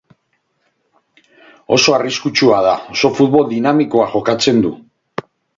Oso arriskutsua da, oso futbol dinamikoa jokatzen du.